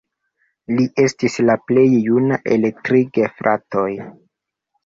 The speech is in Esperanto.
Li estis la plej juna el tri gefratoj.